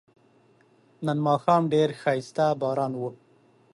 نن ماښام ډیر خایسته باران و